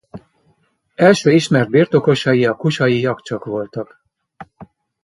Első ismert birtokosai a Kusalyi Jakcsok voltak.